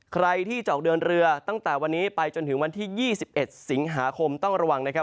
ใครที่จะออกเดินเรือตั้งแต่วันนี้ไปจนถึงวันที่๒๑สิงหาคมต้องระวังนะครับ